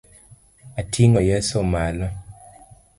Atingo Yeso malo.